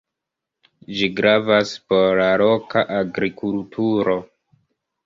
Ĝi gravas por la loka agrikulturo.